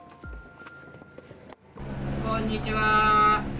こんにちは。